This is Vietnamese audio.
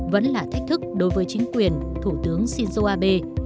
vẫn là thách thức đối với chính quyền thủ tướng shinzo abe